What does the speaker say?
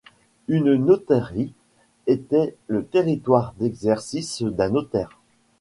Une notairie était le territoire d’exercice d'un notaire.